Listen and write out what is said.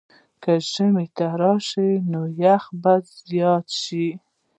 که ژمی راشي، نو یخ به زیات شي.